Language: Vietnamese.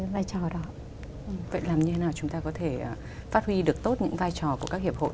vậy làm như thế nào chúng ta có thể phát huy được tốt những vai trò của các hiệp hội